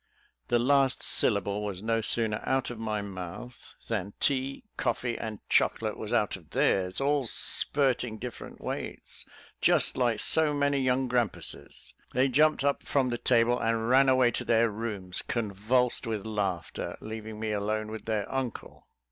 The last syllable was no sooner out of my mouth, than tea, coffee, and chocolate was out of theirs, all spirting different ways, just like so many young grampuses. They jumped up from the table and ran away to their rooms, convulsed with laughter, leaving me alone with their uncle.